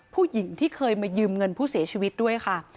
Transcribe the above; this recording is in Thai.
ผู้หญิงที่เคยมายืมเงินผู้เสียชีวิตด้วยค่ะ